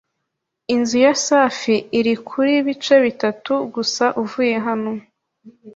Inzu ya Safi iri kuri bice bitatu gusa uvuye hano.